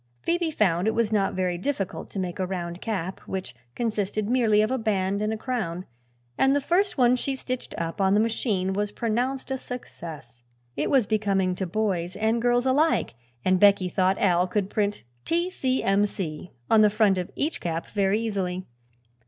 Phoebe found it was not very difficult to make a round cap, which consisted merely of a band and a crown, and the first one she stitched up on the machine was pronounced a success. It was becoming to boys and girls alike and Becky thought Al could print "T. C. M. C." on the front of each cap, very easily.